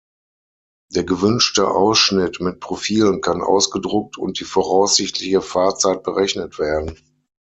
Der gewünschte Ausschnitt mit Profilen kann ausgedruckt und die voraussichtliche Fahrzeit berechnet werden.